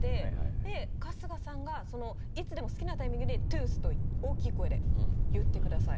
で春日さんがいつでも好きなタイミングで「トゥース」と大きい声で言ってください。